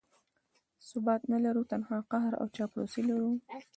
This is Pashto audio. ثبات نه لرو، تنها قهر او چاپلوسي لرو.